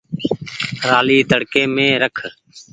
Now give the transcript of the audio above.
رآلي تڙڪي مين رک۔